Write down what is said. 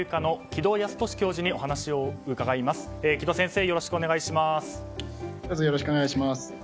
城戸先生、よろしくお願いします。